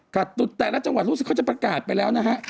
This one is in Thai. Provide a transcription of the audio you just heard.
ตุดแต่ละจังหวัดรู้สึกเขาจะประกาศไปแล้วนะฮะ